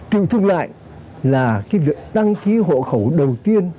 tự thức lại là cái việc tăng ký hộ khẩu đầu tiên